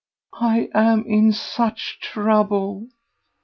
I am in such trouble."